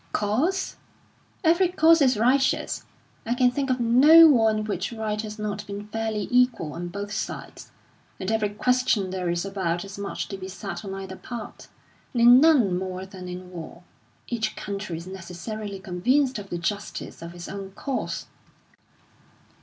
"Cause? Every cause is righteous. I can think of no war in which right has not been fairly equal on both sides; in every question there is about as much to be said on either part, and in none more than in war. Each country is necessarily convinced of the justice of its own cause."